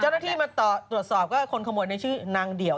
เจ้าหน้าที่มาตรวจสอบก็คนขโมยในชื่อนางเดี่ยว